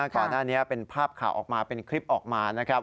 ก่อนหน้านี้เป็นภาพข่าวออกมาเป็นคลิปออกมานะครับ